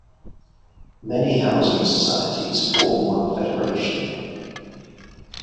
Many housing societies form one federation.